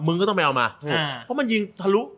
ก็ต้องไปเอามาถูกเพราะมันยิงทะลุ